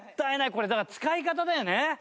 これだから使い方だよね。